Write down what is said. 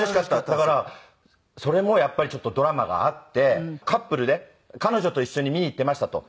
だからそれもやっぱりちょっとドラマがあってカップルで「彼女と一緒に見に行っていました」と。